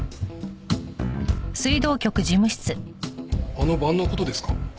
あの晩の事ですか？